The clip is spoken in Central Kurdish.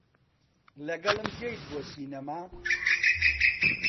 لەگەڵم دێیت بۆ سینەما؟